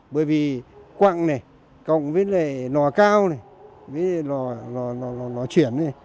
bởi vì quặng này cộng với lò cao này với lò chuyển